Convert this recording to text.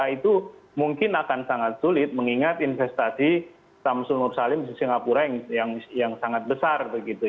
itu mungkin akan sangat sulit mengingat investasi samsul nur salim di singapura yang sangat besar